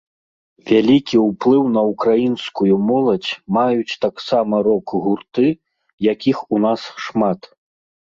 Вялікі ўплыў на ўкраінскую моладзь маюць таксама рок-гурты, якіх у нас шмат.